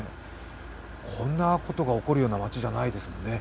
こんなことが起こるような町じゃないですもんね。